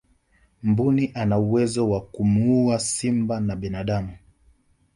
mbuni ana uwezo wa kumuua simba na binadamu